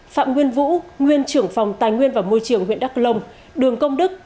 phạm nguyên vũ nguyên trưởng phòng tài nguyên và môi trường huyện đắk lông đường công đức